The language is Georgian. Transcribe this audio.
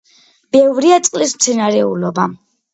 ბევრია წყლის მცენარეულობა.